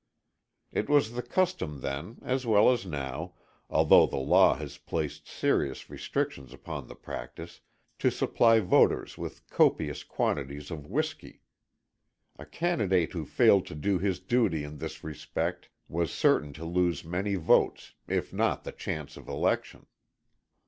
It was the custom then, as well as now, although the law has placed serious restrictions upon the practice, to supply voters with copious quantities of whiskey. A candidate who failed to do his duty in this respect was certain to lose many votes, if not the chance of election.